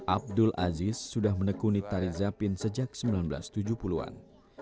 abdul aziz sudah menekuni tari zapin sejak seribu sembilan ratus tujuh puluh an